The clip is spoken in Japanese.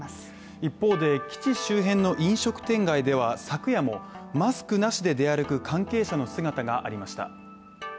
一方で基地周辺の飲食店街では昨夜もマスクなしで出歩く関係者の姿がありました。